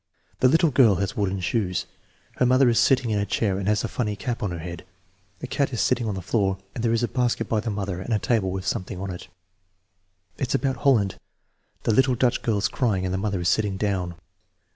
"The little girl has wooden shoes. Her mother is sitting in a chair and has a funny cap on her head. The cat is sitting on the floor and there is a basket by the mother and a table with some thing on it." "It's about Holland. The little Dutch girl is crying and the mother is sitting down."